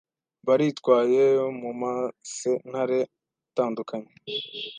baritwaye mu masentare atandukanye